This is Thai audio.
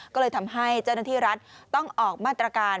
ก็เลยทำให้เจ้าหน้าที่รัฐต้องออกมาตรการ